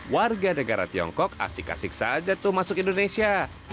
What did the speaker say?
warga negara tiongkok asik asik saja tuh masuk indonesia